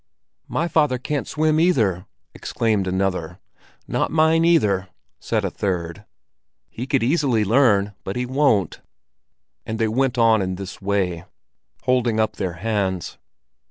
"My father can't swim, either!" exclaimed another. "Nor mine, either!" said a third. "He could easily learn, but he won't." And they went on in this way, holding up their hands.